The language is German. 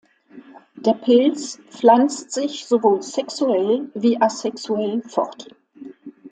Der Pilz pflanzt sich sowohl sexuell wie asexuell fort.